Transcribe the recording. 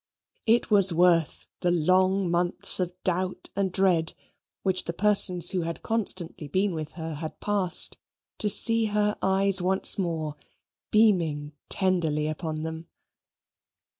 It was worth the long months of doubt and dread which the persons who had constantly been with her had passed, to see her eyes once more beaming tenderly upon them.